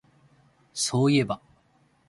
そういえば